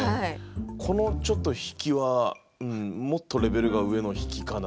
このちょっと引きはもっとレベルが上の引きかな。